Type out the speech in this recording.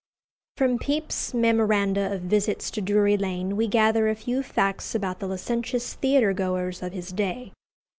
From Pepys's memoranda of visits to Drury Lane we gather a few facts about the licentious theatre goers of his day.